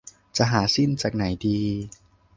จะหาซิ่นจากไหนดี